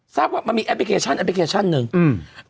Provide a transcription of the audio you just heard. ทราบว่ามันมีแอปพลิเคชันแอปพลิเคชันหนึ่งอืม